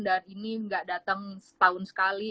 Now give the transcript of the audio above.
dan ini gak datang setahun sekali